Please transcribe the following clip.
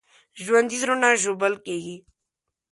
ژوندي زړونه ژوبل کېږي